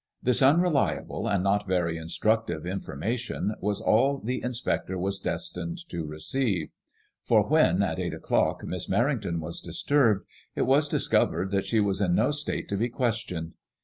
This unreliable and not very instructive information was all the inspector was destined to \ l8o ICADBMOISELLB IXS. receive ; for when, at eight o'clock^ Miss Menington was disturbed, it was discovered that she was in no state to be questioned.